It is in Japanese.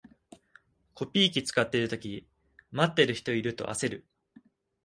コピー機使ってるとき、待ってる人いると焦る